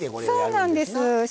そうなんです。